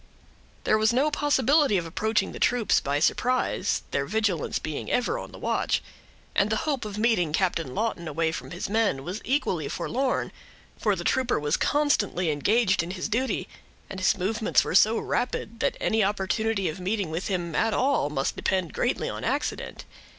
There was no possibility of approaching the troops by surprise, their vigilance being ever on the watch; and the hope of meeting Captain Lawton away from his men, was equally forlorn, for the trooper was constantly engaged in his duty, and his movements were so rapid, that any opportunity of meeting with him, at all, must depend greatly on accident.